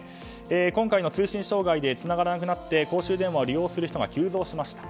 今回の通信障害でつながらなくなって公衆電話を利用する人が急増しました。